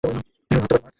তুমি ভাবতে পারো, মার্ক?